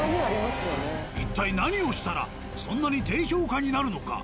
一体何をしたらそんなに低評価になるのか？